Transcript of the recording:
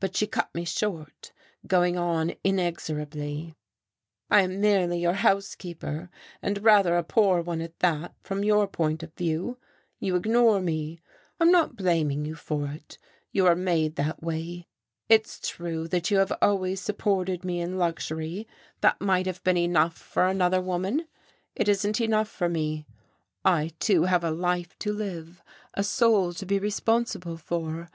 But she cut me short, going on inexorably: "I am merely your housekeeper, and rather a poor one at that, from your point of view. You ignore me. I am not blaming you for it you are made that way. It's true that you have always supported me in luxury, that might have been enough for another woman. It isn't enough for me I, too, have a life to live, a soul to be responsible for.